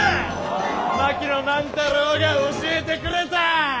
槙野万太郎が教えてくれた！